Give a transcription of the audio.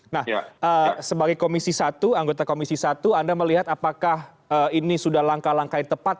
nah sebagai komisi satu anggota komisi satu anda melihat apakah ini sudah langkah langkah yang tepat